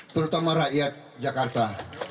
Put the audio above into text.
terutama rakyat jakarta